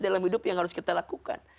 dalam hidup yang harus kita lakukan